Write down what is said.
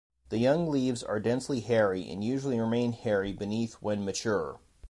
The young leaves are densely hairy and usually remain hairy beneath when mature.